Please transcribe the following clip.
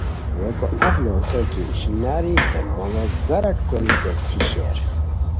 ریکو اف لوڑیتائے کی اشناری ہے موڑو گاراٹ کوری پیڅھی شیر